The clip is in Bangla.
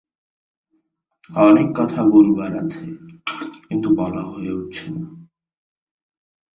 পরবর্তীকালে ঙ্গাগ-দ্বাং-ছোস-ক্যি-র্গ্যা-ম্ত্শো এই বিহার পুনর্গঠন ও সংস্কারের দায়িত্ব লাভ করেন।